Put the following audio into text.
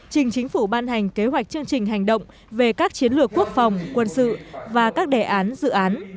trình chính phủ ban hành kế hoạch chương trình hành động về các chiến lược quốc phòng quân sự và các đề án dự án